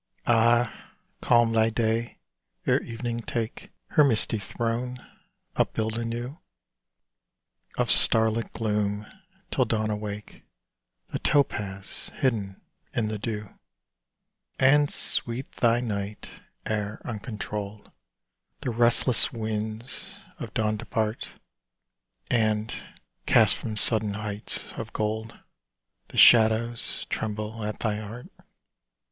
Ah, calm thy day, ere evening take Her misty throne, upbuilt anew Of starlit gloom, till dawn awake The topaz hidden in the dew. 97 A WHITE ROSE. And sweet thy night, ere, uncontrolled, The restless winds of dawn depart; And, cast from sudden heights of gold, The shadows tremble at thy heart.